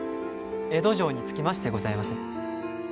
江戸城に着きましてございます。